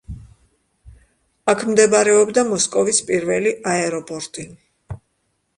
აქ მდებარეობდა მოსკოვის პირველი აეროპორტი.